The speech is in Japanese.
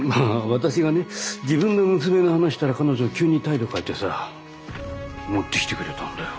私がね自分の娘の話したら彼女急に態度変えてさ持ってきてくれたんだよ。